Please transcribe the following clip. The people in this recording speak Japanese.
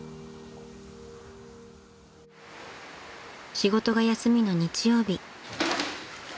［仕事が休みの日曜日］